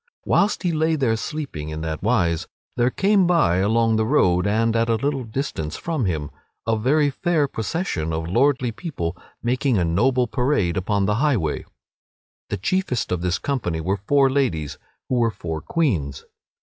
Whilst he lay there sleeping in that wise there came by, along the road, and at a little distance from him, a very fair procession of lordly people, making a noble parade upon the highway. The chiefest of this company were four ladies, who were four queens.